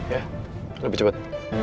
ya lebih cepet